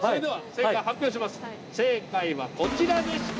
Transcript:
正解はこちらでした。